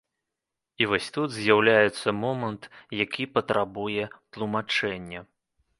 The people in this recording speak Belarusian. І вось тут з'яўляецца момант, які патрабуе тлумачэння.